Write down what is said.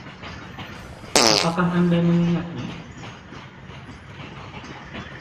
Apakah anda mengingatnya?